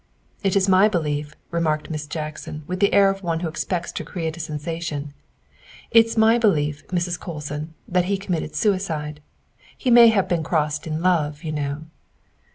11 It's my belief," remarked Miss Jackson with the air of one who expects to create a sensation, " it's my belief, Mrs. Colson, that he committed suicide. He may have been crossed in love, you know."